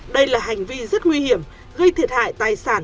đây là hành vi rất nguy hiểm gây thiệt hại tài sản